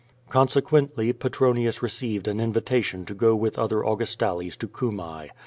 Cdnsequently, Petronius received an invitation to go with other Augustales to Cumae.